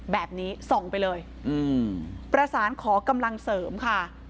แบบนี้ส่องไปเลยประสานขอกำลังเสริมค่ะ